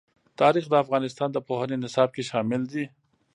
تاریخ د افغانستان د پوهنې نصاب کې شامل دي.